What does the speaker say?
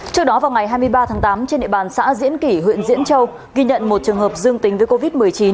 trước đó vào ngày hai mươi ba tháng tám trên địa bàn xã diễn kỷ huyện diễn châu ghi nhận một trường hợp dương tính với covid một mươi chín